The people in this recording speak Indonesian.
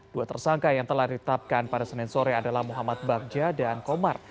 dua tersangka yang telah ditetapkan pada senin sore adalah muhammad bagja dan komar